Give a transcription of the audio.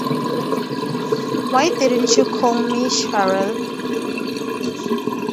Why didn’t you call me, Cheryl?